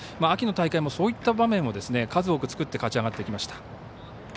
秋の大会もそういった場面を数多く作って勝ち上がってきました。